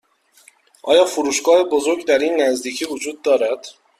آیا فروشگاه بزرگ در این نزدیکی وجود دارد؟